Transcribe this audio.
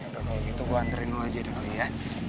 yaudah kalau gitu gue anterin lo aja deh kali ya